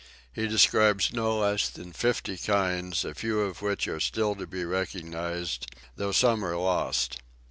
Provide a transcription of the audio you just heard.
He describes no less than fifty kinds, a few of which are still to be recognised, though some are lost.